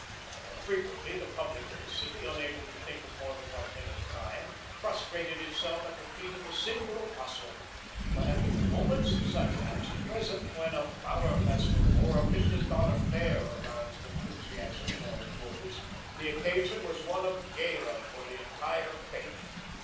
More frequently the public of the city, unable to think of more than one thing at one time, prostrated itself at the feet of a single apostle, but at other moments, such as the present, when a Flower Festival or a Million Dollar Fair aroused enthusiasm in all quarters, the occasion was one of gala for the entire Fake.